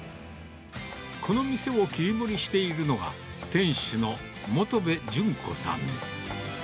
この店を切り盛りしているのが、店主の本部順子さん。